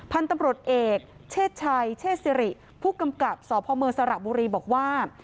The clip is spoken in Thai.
พันธุ์ตำรวจเอกเชศชัยเชศสิริผู้กำกับสพเมืองสระบุรีบอกว่า